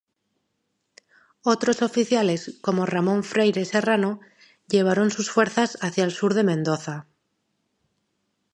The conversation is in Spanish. Otros oficiales, como Ramón Freire Serrano, llevaron sus fuerzas hacia el sur de Mendoza.